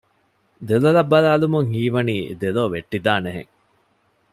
ދެލޮލަށް ބަލާލުމުން ހީވަނީ ދެލޯ ވެއްޓިދާނެ ހެން